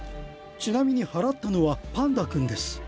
ちなみに祓ったのはパンダ君です。